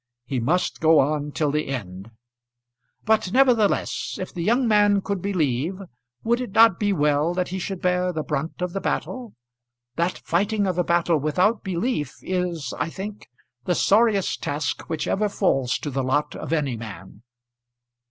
He must go on till the end. But, nevertheless, if this young man could believe, would it not be well that he should bear the brunt of the battle? That fighting of a battle without belief is, I think, the sorriest task which ever falls to the lot of any man.